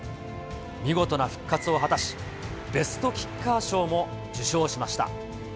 見事な復活を果たし、ベストキッカー賞も受賞しました。